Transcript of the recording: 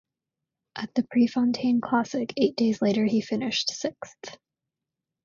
At the Prefontaine Classic eight days later he finished sixth.